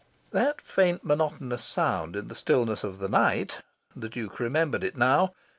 That faint monotonous sound in the stillness of the night the Duke remembered it now.